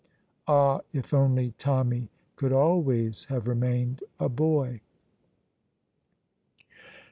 Ah, if only Tommy could always have remained a boy!